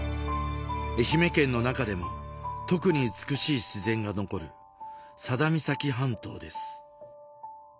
愛媛県の中でも特に美しい自然が残る佐田岬半島です